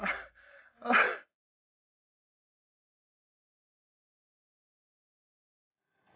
tidak ada kemampuan untuk menangkap mereka